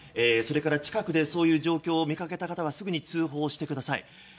それから近くでそういう状況を見かけた方はすぐに通報してください。